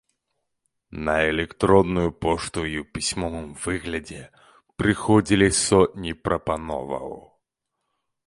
На электронную пошту і ў пісьмовым выглядзе прыходзілі сотні прапановаў.